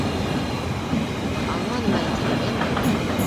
Алманым әле, тиген, йәме?